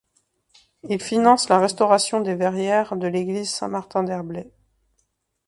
Il finance la restauration des verrières de l'église Saint-Martin d'Herblay.